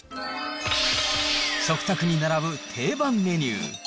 食卓に並ぶ定番メニュー。